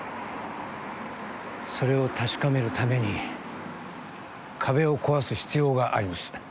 それを確かめるために壁を壊す必要があります